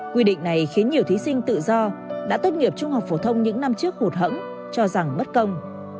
quy định này khiến nhiều thí sinh tự do đã tốt nghiệp trung học phổ thông những năm trước hụt hẫng cho rằng bất công